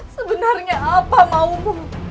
sebenarnya apa maumu